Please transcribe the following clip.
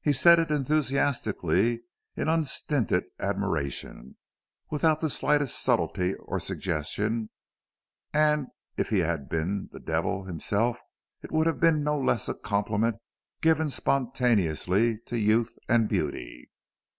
He said it enthusiastically, in unstinted admiration, without the slightest subtlety or suggestion; and if he had been the devil himself it would have been no less a compliment, given spontaneously to youth and beauty.